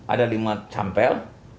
ada lima sampel